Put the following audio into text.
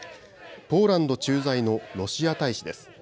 ポーランド駐在のロシア大使です。